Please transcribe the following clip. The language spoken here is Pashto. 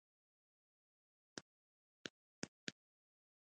کوتره یو نازک خو قوي مرغه ده.